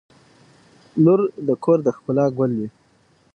• لور د کور د ښکلا ګل وي.